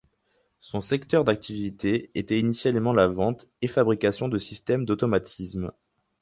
Son secteur d'activité était initialement la vente et fabrication de systèmes d'automatisme.